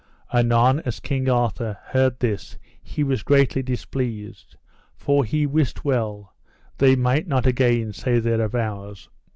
Anon as King Arthur heard this he was greatly displeased, for he wist well they might not again say their avows.